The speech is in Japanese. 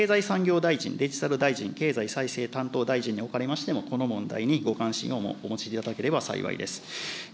経済産業大臣、デジタル大臣、経済再生担当大臣におかれましても、この問題にご関心をお持ちいただければ幸いです。